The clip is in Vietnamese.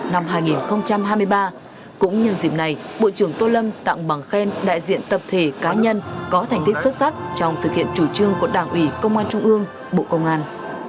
năm hai nghìn hai mươi ba cũng nhân dịp này bộ trưởng tô lâm tặng bằng khen đại diện tập thể cá nhân có thành tích xuất sắc trong thực hiện chủ trương của đảng ủy công an trung ương bộ công an